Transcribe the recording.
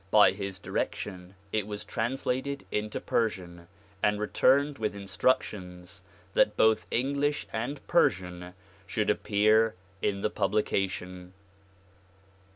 By his direction it was translated into Persian and returned with instructions that both English and Persian should appear in the publication.